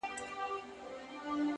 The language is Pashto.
هوښیار فکر له بیړې لرې وي